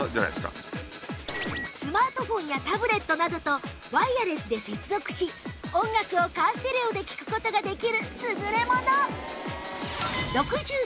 スマートフォンやタブレットなどとワイヤレスで接続し音楽をカーステレオで聴く事ができる優れもの！